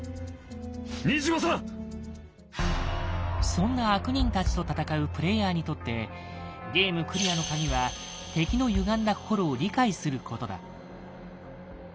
そんな悪人たちと戦うプレイヤーにとってゲームクリアの鍵は敵のゆがんだ心を理解することだ。